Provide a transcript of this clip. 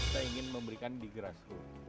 kita ingin memberikan di gerasku